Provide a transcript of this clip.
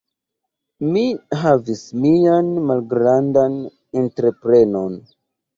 Mi havis mian malgrandan entreprenon.